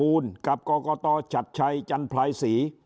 ่านัญทบายบูวล์กับก่อก่อก่อตอจาต์ชัตซ์ชัยจันทรายสี